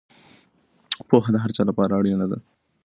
پوهه د هر چا لپاره اړینه ده.